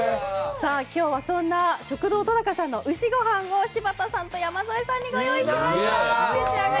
今日はそんな食堂とだかさんの牛ご飯を柴田さんと山添さんにご用意しました。